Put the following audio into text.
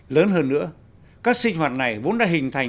lớn hơn nữa các sinh hoạt này vốn đã hình thành